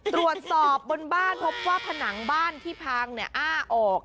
ตรวจสอบบนบ้านพบว่าผนังบ้านที่พังอ้าออก